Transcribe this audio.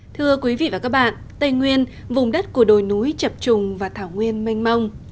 thưa quý vị và các bạn tây nguyên vùng đất của đồi núi chập trùng và thảo nguyên mênh mông